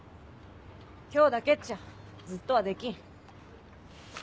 今日だけっちゃずっとはできん。